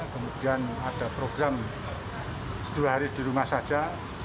kemudian ada program dua hari di rumah saja